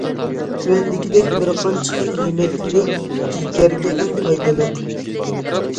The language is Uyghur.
تۆۋەندىكىدەك بىرقانچە خىل يېمەكلىك جىگەرگە ئەڭ پايدىلىق.